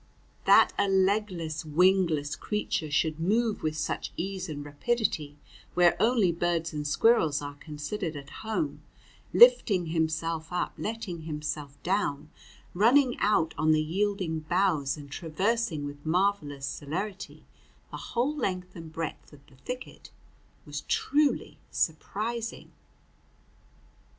That a legless, wingless creature should move with such ease and rapidity where only birds and squirrels are considered at home, lifting himself up, letting himself down, running out on the yielding boughs, and traversing with marvelous celerity the whole length and breadth of the thicket, was truly surprising.